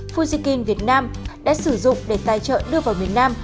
fujikin việt nam đã sử dụng để tài trợ đưa vào miền nam